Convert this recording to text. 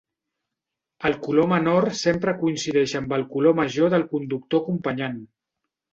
El color menor sempre coincideix amb el color major del conductor acompanyant.